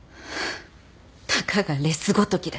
たかがレスごときで。